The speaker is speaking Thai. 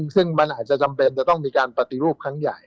ซึ่งมันอาจจะจำเป็นจะต้องมีการปฏิรูปครั้งใหญ่